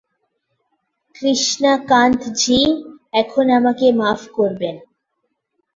কৃষ্ণাকান্ত জি, এখন আমাকে মাফ করবেন।